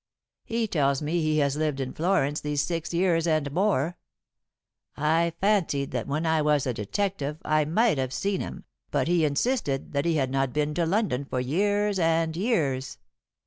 He tells me he has lived in Florence these six years and more. I fancied that when I was a detective I might have seen him, but he insisted that he had not been to London for years and years.